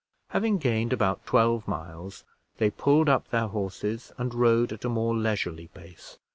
Having gained about twelve miles, they pulled up their horses, and rode at a more leisurely pace.